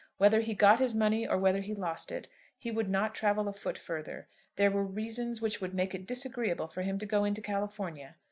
Whether he got his money or whether he lost it, he would not travel a foot further. There were reasons which would make it disagreeable for him to go into California.